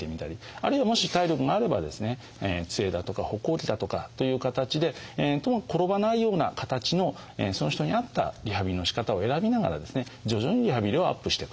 あるいはもし体力があればですねつえだとか歩行器だとかという形でともかく転ばないような形のその人に合ったリハビリのしかたを選びながらですね徐々にリハビリをアップしていくと。